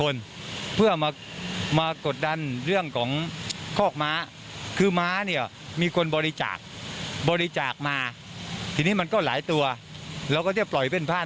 เนี่ยก็จะปล่อยเป็นพ่าย